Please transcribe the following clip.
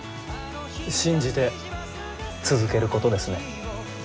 信じて続けることですね。